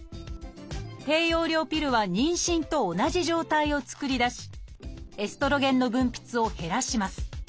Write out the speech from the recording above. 低用量ピルは妊娠と同じ状態を作り出しエストロゲンの分泌を減らします。